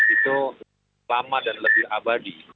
itu lama dan lebih abadi